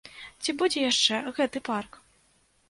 Ці будзе яшчэ гэты парк?